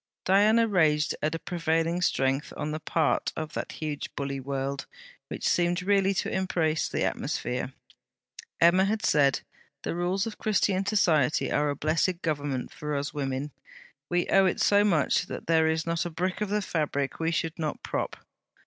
Diana raged at a prevailing strength on the part of that huge bully world, which seemed really to embrace the atmosphere. Emma had said: 'The rules of Christian Society are a blessed Government for us women. We owe it so much that there is not a brick of the fabric we should not prop.'